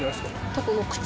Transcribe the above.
タコの口。